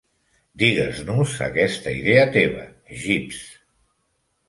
Digues-nos aquesta idea teva Jeeves.